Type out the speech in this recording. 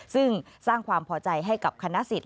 ซึ่งสร้างความพอใจให้กับคณะสิทธิ